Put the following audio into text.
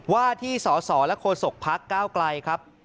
ว่าที่สสและโฆษกพักก้าวไกลครับ